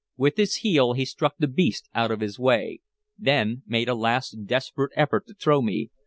With his heel he struck the beast out of his way, then made a last desperate effort to throw me.